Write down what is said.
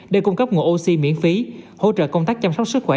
để cung cấp nguồn oxy miễn phí hỗ trợ công tác chăm sóc sức khỏe